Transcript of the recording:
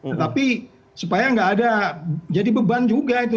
tetapi supaya nggak ada jadi beban juga itu